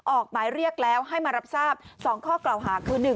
ออกหมายเรียกแล้วให้มารับทราบ๒ข้อกล่าวหาคือ